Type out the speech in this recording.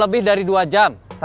dimana pak jies